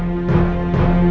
lalu lo kembali ke rumah